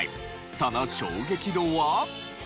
その衝撃度は？